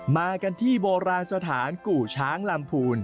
มากันที่โบราณสถานกู่ช้างลำพูน